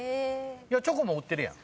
いやチョコも売ってるやん。